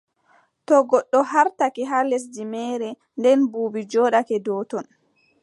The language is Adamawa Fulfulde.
To goɗɗo haartake haa lesdi meere, nden buubi njooɗake dow ton,